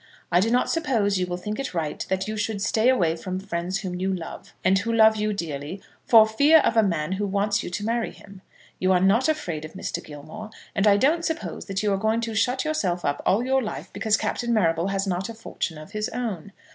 I do not suppose you will think it right that you should stay away from friends whom you love, and who love you dearly, for fear of a man who wants you to marry him. You are not afraid of Mr. Gilmore, and I don't suppose that you are going to shut yourself up all your life because Captain Marrable has not a fortune of his own.